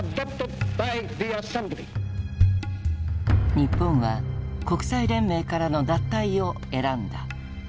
日本は国際連盟からの脱退を選んだ。